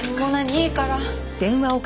いいから。